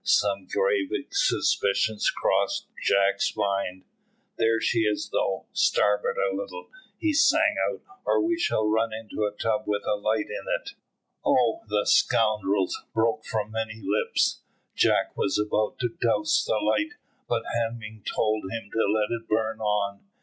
Some grave suspicions crossed Jack's mind. "There she is though. Starboard a little," he sang out, "or we shall run into a tub with a light in it." "Oh, the scoundrels!" broke from many lips. Jack was about to douse the light, but Hemming told him to let it burn on.